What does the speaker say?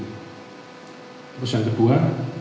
terus yang kedua